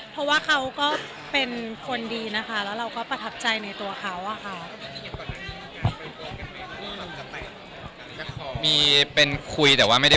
เพราะว่าเขาก็เป็นคนดีนะคะแล้วเราก็ประทับใจในตัวเขาอะค่ะ